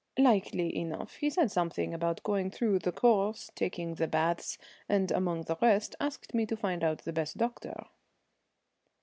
"Likely enough. He said something about going through the course, taking the baths, and among the rest asked me to find out the best doctor."